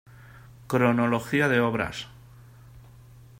Cronología de obras